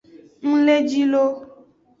Ng le ji lo.